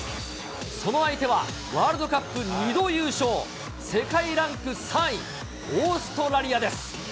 その相手はワールドカップ２度優勝、世界ランク３位、オーストラリアです。